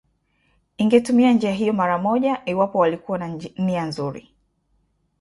ingetumia njia hiyo mara moja iwapo walikuwa na nia nzuri